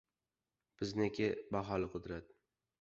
Bizniki, baholi qudrat...